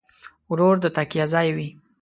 ورور د تکیه ځای وي.